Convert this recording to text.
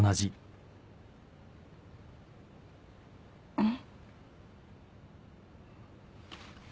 うん？